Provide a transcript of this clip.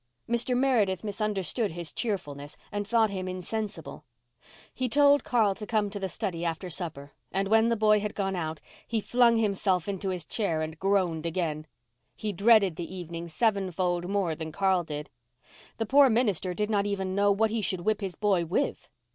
Mr. Meredith misunderstood his cheerfulness and thought him insensible. He told Carl to come to the study after supper, and when the boy had gone out he flung himself into his chair and groaned again. He dreaded the evening sevenfold more than Carl did. The poor minister did not even know what he should whip his boy with.